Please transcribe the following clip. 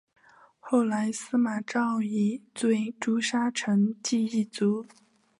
后来司马昭以罪诛杀成济一族。